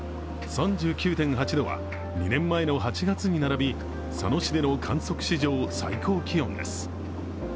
３９．８度は２年前の８月に並び佐野市での観測史上最高気温です。